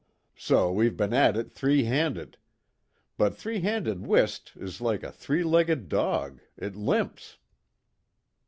So we've be'n at it three handed. But three handed whist is like a three legged dog it limps."